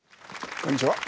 こんにちは。